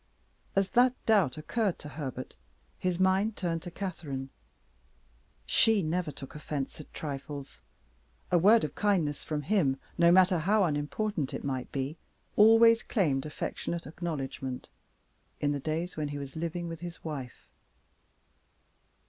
As that doubt occurred to Herbert his mind turned to Catherine. She never took offense at trifles; a word of kindness from him, no matter how unimportant it might be, always claimed affectionate acknowledgment in the days when he was living with his wife.